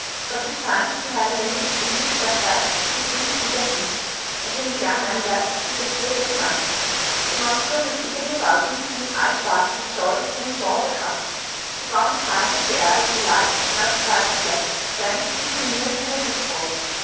But this time they had in their midst a huge black cat who seemed to be their king, and whom the young man guessed to be the Spirit of the Mountain. The monster looked eagerly about him, and his eyes sparkled with joy when he saw the cask. He bounded high into the air with delight and uttered cries of pleasure; then he drew near and undid the bolts.